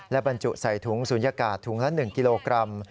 บรรจุใส่ถุงศูนยากาศถุงละ๑กิโลกรัม